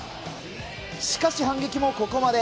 しかし、反撃もここまで。